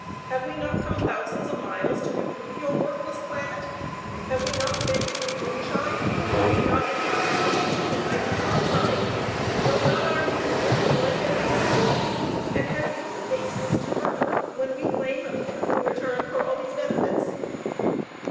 have we not come thousands of miles to improve your worthless planet? have we not fed you with moonshine! have we not intoxicated you with nitrous oxide? does not our moon give you light every night? and have you the baseness to murmur, when we claim a pitiful return for all these benefits?"